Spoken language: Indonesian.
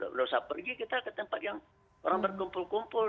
nggak usah pergi kita ke tempat yang orang berkumpul kumpul